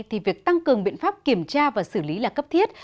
thì việc tăng cường biện pháp kiểm tra và xử lý là cấp thiết